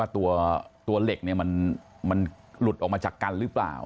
ตัวเหล็กมันหลุดออกมาจากกันหรือเปล่า